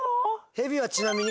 ヘビはちなみに。